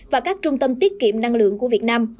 và các trung tâm tiết kiệm năng lượng của việt nam